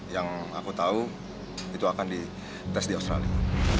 yang aku tahu itu akan di tes di australia